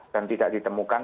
dan tidak ditemukan